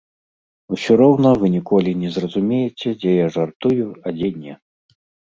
Усё роўна вы ніколі не зразумееце, дзе я жартую, а дзе не.